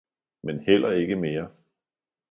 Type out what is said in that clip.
men heller ikke mere!